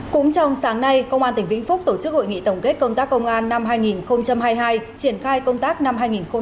cũng trong sáng nay công an tỉnh vĩnh phúc tổ chức hội nghị tổng kết công tác công an năm hai nghìn hai mươi hai triển khai công tác năm hai nghìn hai mươi bốn